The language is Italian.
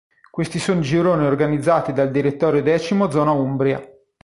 Questo sono i gironi organizzati dal Direttorio X Zona Umbria.